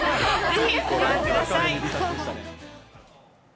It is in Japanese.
ぜひご覧ください。